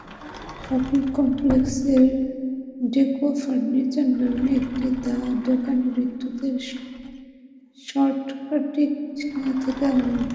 Shopping কমপ্লেক্সের Deco Furniture নামের একটি দোকানে বিদ্যুতের শর্টসার্কিট থেকে আগুন লাগে।